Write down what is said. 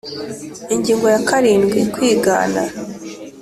Ingingo ya karindwi Kwigana